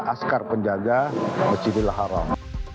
askar penjaga bercidillah haram